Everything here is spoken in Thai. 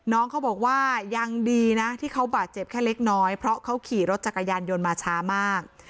น้องเขาบอกว่ายังดีนะที่เขาบาดเจ็บแค่เล็กน้อยเพราะเขาขี่รถจักรยานยนต์มาช้ามาก